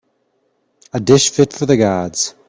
A dish fit for the gods